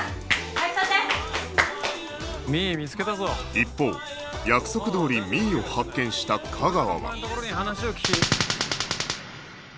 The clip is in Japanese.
一方約束どおり美依を発見した架川は